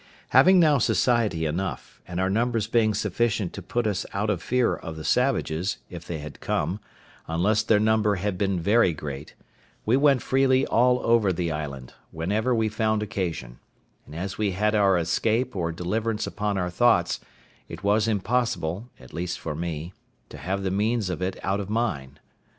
Having now society enough, and our numbers being sufficient to put us out of fear of the savages, if they had come, unless their number had been very great, we went freely all over the island, whenever we found occasion; and as we had our escape or deliverance upon our thoughts, it was impossible, at least for me, to have the means of it out of mine.